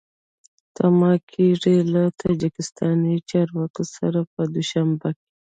تمه کېږي له تاجکستاني چارواکو سره په دوشنبه کې